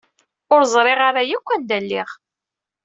Ur ẓriɣ ara yakk anda lliɣ.